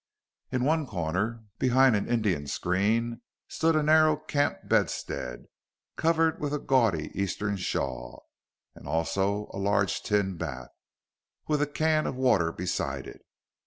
In one corner, behind an Indian screen, stood a narrow camp bedstead, covered with a gaudy Eastern shawl, and also a large tin bath, with a can of water beside it.